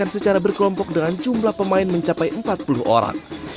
secara berkelompok dengan jumlah pemain mencapai empat puluh orang